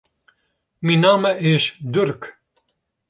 Myn namme is Durk.